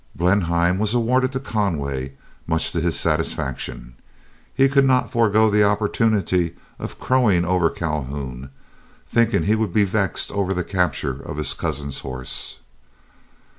Blenheim was awarded to Conway, much to his satisfaction. He could not forego the opportunity of crowing over Calhoun, thinking he would be vexed over the capture of his cousin's horse.